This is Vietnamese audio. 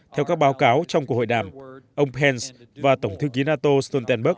theo các báo cáo trong cuộc hội đàm ông pence và tổng thư ký nato stoltenberg